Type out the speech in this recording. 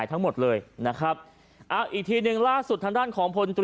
ต้องการช่วยผล